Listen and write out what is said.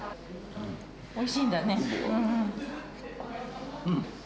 おいしいんだね。